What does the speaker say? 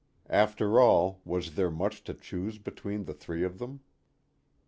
After all, was there much to choose between the three of them?